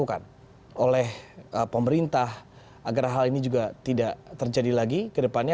dilakukan oleh pemerintah agar hal ini juga tidak terjadi lagi ke depannya